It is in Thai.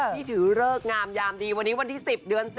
ที่ถือเลิกงามยามดีวันนี้วันที่สิบเดือนสิบค่ะ